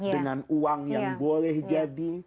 dengan uang yang boleh jadi